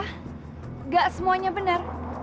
nggak semuanya bener